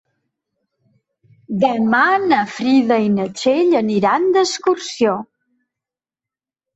Demà na Frida i na Txell aniran d'excursió.